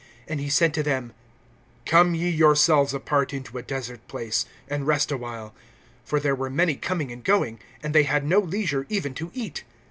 (31)And he said to them: Come ye yourselves apart into a desert place, and rest awhile; for there were many coming and going, and they had no leisure even to eat.